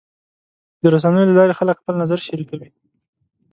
د رسنیو له لارې خلک خپل نظر شریکوي.